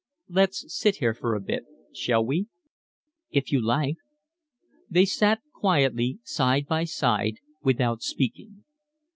"Let's sit here for a bit, shall we?" "If you like." They sat quietly, side by side, without speaking.